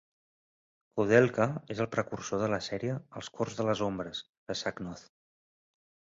"Koudelka" és el precursor de la sèrie "Els cors de les ombres" de Sacnoth.